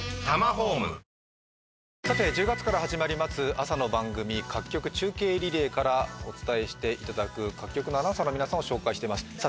朝の番組各局中継リレーからお伝えしていただく各局のアナウンサーの皆さんを紹介していますさあ